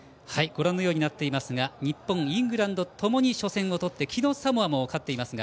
日本、イングランドともに初戦ととって、昨日サモアも勝っていますが。